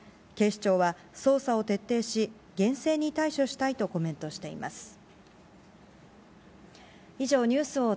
警視庁は、捜査を徹底し、厳正に対処したいとコメントしています。